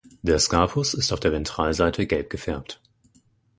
Der Scapus ist auf der Ventralseite gelb gefärbt.